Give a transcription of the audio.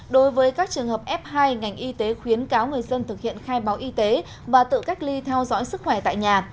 đối với các trường hợp f hai ngành y tế khuyến cáo người dân thực hiện khai báo y tế và tự cách ly theo dõi sức khỏe tại nhà